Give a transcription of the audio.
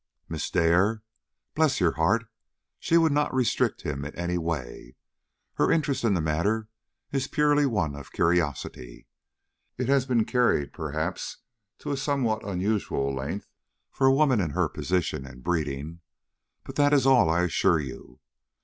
"Miss Dare? Bless your heart, she would not restrict him in any way. Her interest in the matter is purely one of curiosity. It has been carried, perhaps, to a somewhat unusual length for a woman of her position and breeding. But that is all, I assure you.